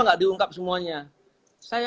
nggak diungkap semuanya saya